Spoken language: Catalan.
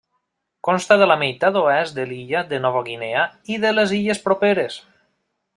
Consta de la meitat oest de l'illa de Nova Guinea i de les illes properes.